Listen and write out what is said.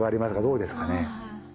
どうですかね。